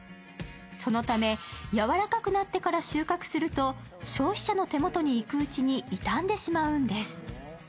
そのため、やわらかくなってから収穫すると消費者の手元にいくうちに傷んでしまうんです。